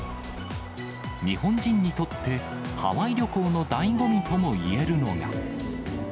日本人にとって、ハワイ旅行のだいご味ともいえるのが。